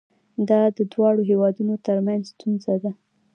دا د دواړو هیوادونو ترمنځ ستونزه ده.